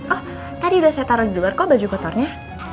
oh tadi udah saya taruh di luar kok baju kotornya